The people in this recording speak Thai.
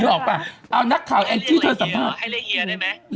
เล็กเจ๊ด้วยปะให้เล็กเฮียได้มั้ยเล็กเฮียไม่มีนะ